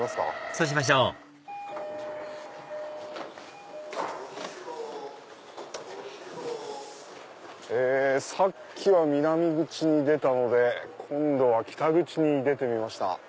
そうしましょうさっきは南口に出たので今度は北口に出てみました。